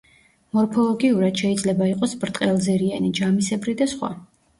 მორფოლოგიურად შეიძლება იყოს ბრტყელძირიანი, ჯამისებრი და სხვა.